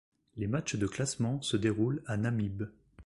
Les matchs de classement se déroule à Namibe.